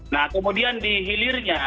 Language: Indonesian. nah kemudian di hilirnya